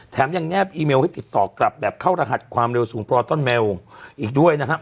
แถมยังแนบอีเมลให้ติดต่อกลับแบบเข้ารหัสความเร็วสูงปลอต้นเมลอีกด้วยนะครับ